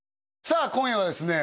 さあ今夜はですね